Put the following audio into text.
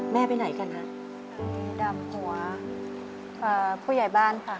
ไปไหนกันฮะดำหัวผู้ใหญ่บ้านค่ะ